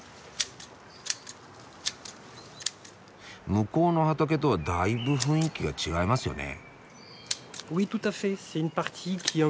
向こうの畑とはだいぶ雰囲気が違いますよね。